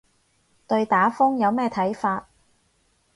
對打風有咩睇法